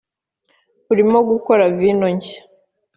urimo gukora vino nshya